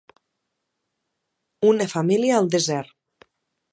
Una família al desert.